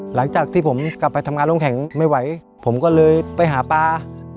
หลังจากที่ผมกลับไปทำงานโรงแข็งไม่ไหวผมก็เลยไปหาปลา